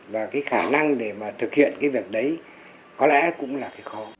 và cái khả năng để mà thực hiện cái việc đấy có lẽ cũng là cái khó